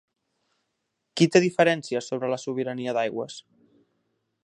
Qui té diferències sobre la sobirania d'aigües?